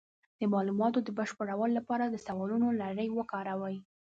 د معلوماتو د بشپړولو لپاره د سوالونو لړۍ وکاروئ.